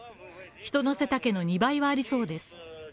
人の背丈の２倍はありそうです。